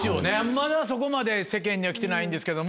まだそこまで世間には来てないんですけども。